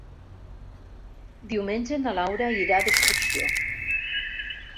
Diumenge na Laura irà d'excursió.